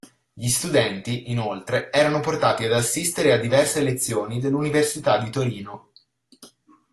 Gli studenti, inoltre, erano portati ad assistere a diverse lezioni dell'Università di Torino.